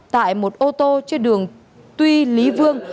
tại một ô tô trên đường tuy lý vương